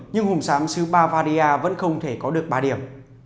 nhưng hùng sám sứ bavaria vẫn không thể có được ba điểm